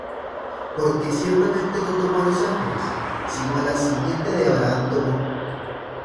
Porque ciertamente no tomó á los ángeles, sino á la simiente de Abraham tomó.